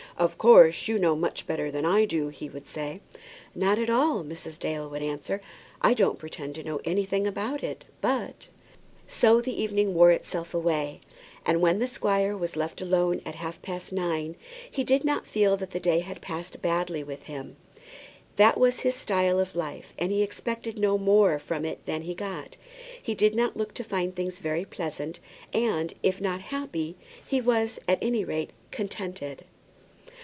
"Of course you know much better than I do," he would say. "Not at all," Mrs. Dale would answer. "I don't pretend to know anything about it. But " So the evening wore itself away; and when the squire was left alone at half past nine, he did not feel that the day had passed badly with him. That was his style of life, and he expected no more from it than he got. He did not look to find things very pleasant, and, if not happy, he was, at any rate, contented.